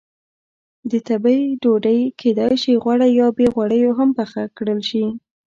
د تبۍ ډوډۍ کېدای شي غوړه یا بې غوړیو هم پخه کړل شي.